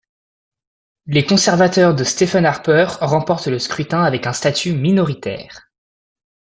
Les conservateurs de Stephen Harper remportent le scrutin avec un statut minoritaire.